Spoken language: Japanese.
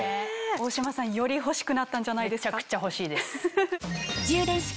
大島さんより欲しくなったんじゃないですか？